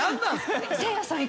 せいやさん。